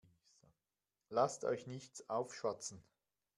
Lasst euch nichts aufschwatzen.